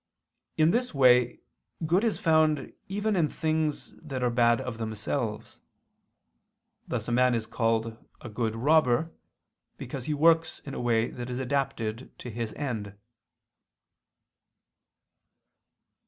In this way good is found even in things that are bad of themselves: thus a man is called a good robber, because he works in a way that is adapted to his end.